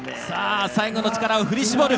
最後の力を振り絞る。